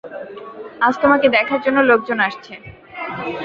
আজ তোমাকে দেখার জন্য লোকজন আসছে।